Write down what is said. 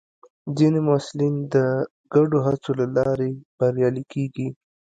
ځینې محصلین د ګډو هڅو له لارې بریالي کېږي.